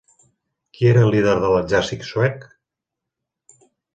Qui era el líder de l'exèrcit suec?